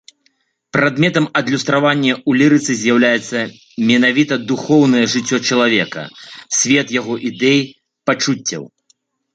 Прадметам адлюстравання ў лірыцы з'яўляецца менавіта духоўнае жыццё чалавека, свет яго ідэй, пачуццяў.